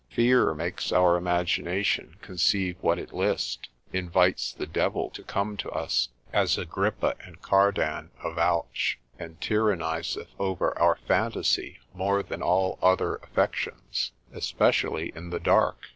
Fear makes our imagination conceive what it list, invites the devil to come to us, as Agrippa and Cardan avouch, and tyranniseth over our phantasy more than all other affections, especially in the dark.